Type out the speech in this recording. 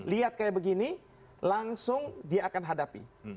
lihat kayak begini langsung dia akan hadapi